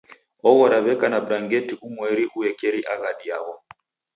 Oghora w'eka na brangeti umweri uekeri aghadi yaw'o